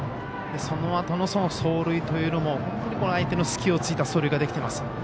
そのあとの走塁というのも本当に相手の隙を突いた走塁ができています。